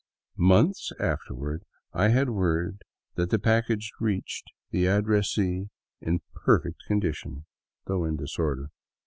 Months afterward I had word that the package reached the ad dressee in perfect condition, though in disorder.